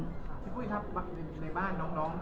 พี่ปุ๊ยในบ้านน้อง